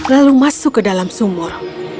lalu masuk ke dalam sumur